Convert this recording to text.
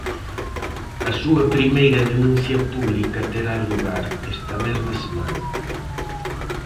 A súa primeira denuncia pública terá lugar esta mesma semana.